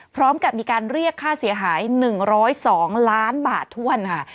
พร้อมกับมีการเรียกค่าเสียหาย๑๐๒ล้านบาทถ้วนค่ะ